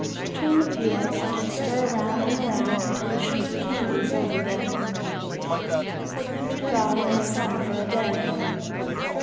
Return the peels and stir around and around until the sugar candies over them. Put them to dry in the sun for a day.